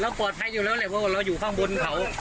ปลอดภัยอยู่แล้วแหละเพราะว่าเราอยู่ข้างบนเขา